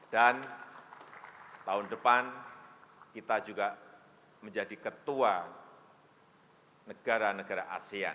dan tahun depan kita juga menjadi ketua negara negara asean